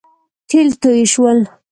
تېل توی شول